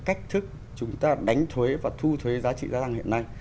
cách thức chúng ta đánh thuế và thu thuế giá trị gia tăng hiện nay